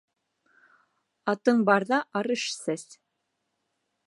Атың барҙа арыш сәс.